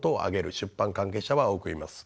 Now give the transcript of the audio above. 出版関係者は多くいます。